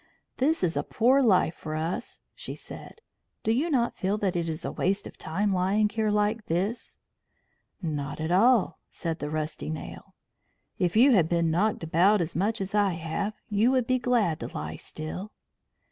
"This is a poor life for us," she said. "Do you not feel that it is a waste of time lying here like this?" "Not at all," said the rusty nail. "If you had been knocked about as much as I have you would be glad to lie still."